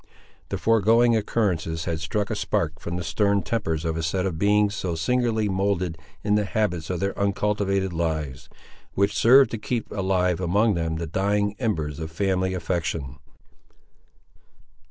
The foregoing occurrences had struck a spark from the stern tempers of a set of beings so singularly moulded in the habits of their uncultivated lives, which served to keep alive among them the dying embers of family affection.